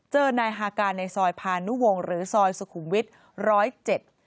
เจอนายฮาการในซอยพานุวงศ์หรือซอยสุขุมวิทย์ร้อยเจ็ด